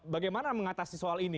bagaimana mengatasi soal ini